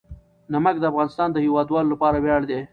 نمک د افغانستان د هیوادوالو لپاره ویاړ دی.